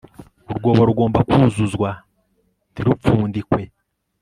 Urwobo rugomba kuzuzwa ntirupfundikwe